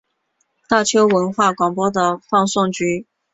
大邱文化广播的放送局。